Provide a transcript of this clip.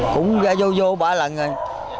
cũng ra vô vô ba lần rồi